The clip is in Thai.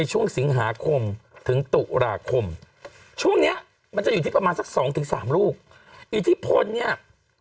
ช่วงสิงหาคมถึงตุลาคมช่วงเนี้ยมันจะอยู่ที่ประมาณสักสองถึงสามลูกอิทธิพลเนี่ย